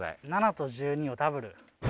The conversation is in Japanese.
７と１２をダブル。